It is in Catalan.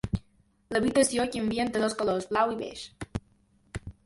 L'habitació canvia entre dos colors, blau i beix.